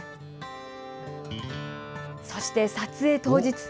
そして撮影当日。